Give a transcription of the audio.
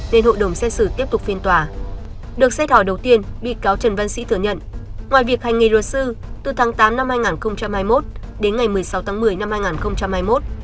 nên hội đồng xét xử tiếp tục phiên tòa được xét hỏi đầu tiên bị cáo trần văn sĩ thừa nhận ngoài việc hành nghề luật sư từ tháng tám năm hai nghìn hai mươi một đến ngày một mươi sáu tháng một mươi năm hai nghìn hai mươi một